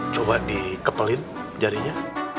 coba dikepelin jarinya